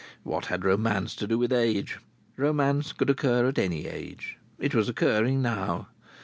What had romance to do with age? Romance could occur at any age. It was occurring now.